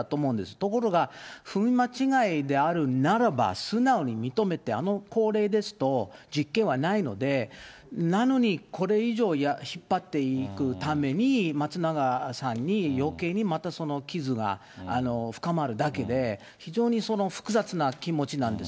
ところが、踏み間違いであるならば素直に認めて、あの高齢ですと、実刑はないので、なのに、これ以上引っ張っていくために、松永さんによけいにまた傷が深まるだけで、非常にその複雑な気持ちなんです。